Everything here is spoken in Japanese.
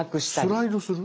スライドする？